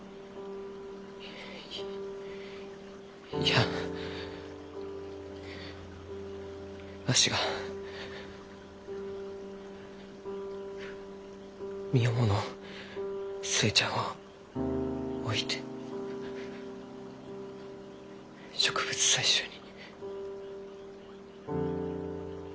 いやわしが身重の寿恵ちゃんを置いて植物採集に。